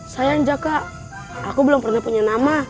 sayang jaka aku belum pernah punya nama